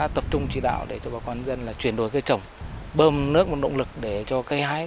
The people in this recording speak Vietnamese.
tập trung chỉ đạo để cho bà con dân là chuyển đổi cây trồng bơm nước một động lực để cho cây hái